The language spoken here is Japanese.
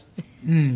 うん。